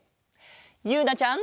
ゆうなちゃん。